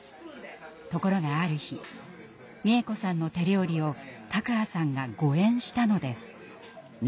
ところがある日美枝子さんの手料理を卓巴さんが誤えんしたのです。